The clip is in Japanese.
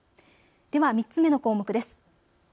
では３つ目の項目です。